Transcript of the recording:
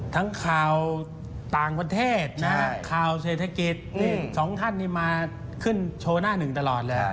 ทั้งข่าวต่างประเทศคราวเศรษฐกิจสองท่านนี่มาขึ้นชวนน่าหนึ่งตลอดเลย